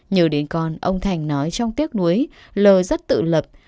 nhớ đến con ông thành nói trong tiếc nuối lờ rất tự lập